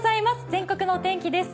全国のお天気です。